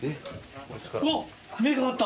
わっ目が合った。